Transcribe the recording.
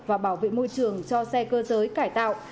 và bảo vệ môi trường cho xe cơ giới cải tạo